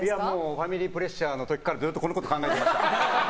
ファミリープレッシャーの時から、このことを考えてました。